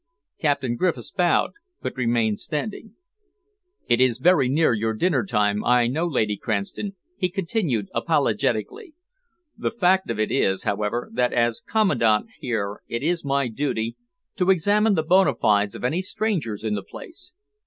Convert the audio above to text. Captain Griffiths bowed but remained standing. "It is very near your dinner time, I know, Lady Cranston," he continued apologetically. "The fact of it is, however, that as Commandant here it is my duty to examine the bona fides of any strangers in the place.